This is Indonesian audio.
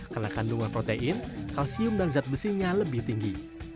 karena kandungan protein kalsium dan zat besinya lebih tinggi